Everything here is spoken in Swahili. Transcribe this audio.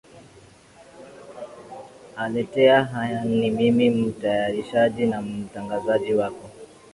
aletea makala haya ni mimi mtayarishaji na mtangazaji wako